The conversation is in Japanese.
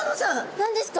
何ですか？